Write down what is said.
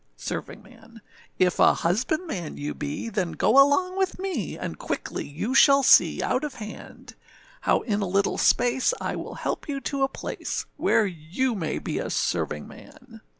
SERVINGMAN. If a husbandman you be, then go along with me, And quickly you shall see out of hand, How in a little space I will help you to a place, Where you may be a servingman.